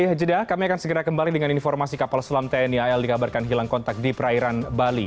ya jeda kami akan segera kembali dengan informasi kapal selam tni al dikabarkan hilang kontak di perairan bali